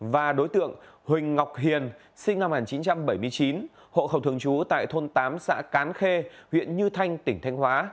và đối tượng huỳnh ngọc hiền sinh năm một nghìn chín trăm bảy mươi chín hộ khẩu thường trú tại thôn tám xã cán khê huyện như thanh tỉnh thanh hóa